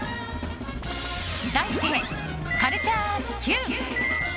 題して、カルチャーＱ！